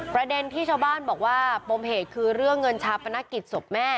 ประเด็นที่ชาวบ้านบอกว่าปมเหตุคือเรื่องเงินชาวพนักกิจสบแม่ที่ได้มา๕๐๐๐๐บาท